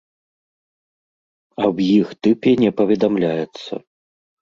Аб іх тыпе не паведамляецца.